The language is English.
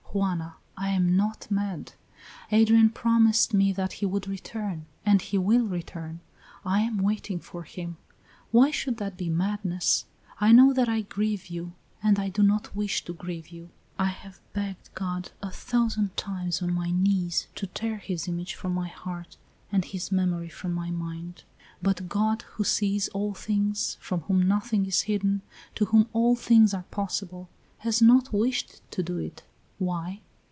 Juana, I am not mad. Adrian promised me that he would return, and he will return. I am waiting for him. Why should that be madness? I know that I grieve you, and I do not wish to grieve you. I have begged God a thousand times on my knees to tear his image from my heart and his memory from my mind; but God, who sees all things, from whom nothing is hidden, to whom all things are possible, has not wished to do it. Why?